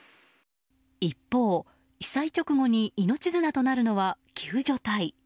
一方、被災直後に命綱となるのは救助隊。